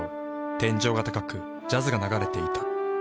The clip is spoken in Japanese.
天井が高くジャズが流れていた。